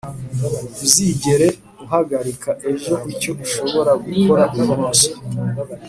ntuzigere uhagarika ejo icyo ushobora gukora uyu munsi